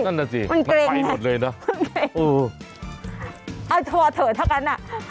นั่นแหละสิมันไปหมดเลยนะมันเกรงอ่าโทรเถอะถ้ากันน่ะ